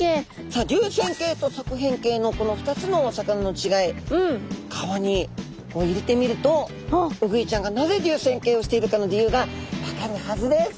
さあ流線形と側扁形のこの２つのお魚のちがい川に入れてみるとウグイちゃんがなぜ流線形をしているかの理由が分かるはずです。